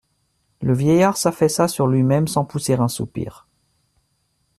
Le vieillard s'affaissa sur lui-même sans pousser un soupir.